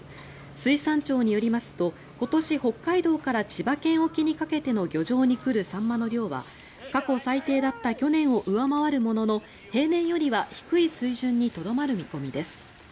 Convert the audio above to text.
水産庁によりますと今年、北海道から千葉県沖にかけての漁場に来るサンマの量は過去最低だった去年を上回るものの平年よりは低い水準にとどまる見込みです。